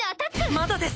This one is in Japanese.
まだです！